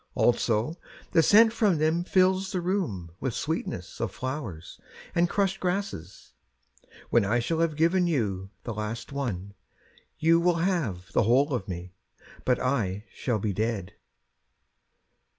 Also the scent from them fills the room With sweetness of flowers and crushed grasses. When I shall have given you the last one, You will have the whole of me, But I shall be dead.